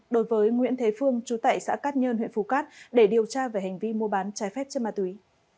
đối với nguyễn thế phương chú tại xã cát nhơn huyện phú cát để điều tra về hành vi mua bán trái phép chất ma túy